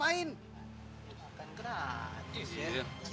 makan gratis ya